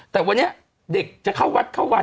แต่วันนี้เด็กจะเข้าวัดเข้าวัน